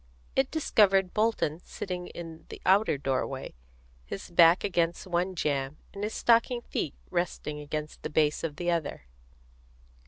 It discovered Bolton sitting in the outer doorway, his back against one jamb and his stocking feet resting against the base of the other.